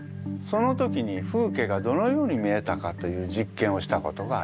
その時に風景がどのように見えたかという実験をしたことがあります。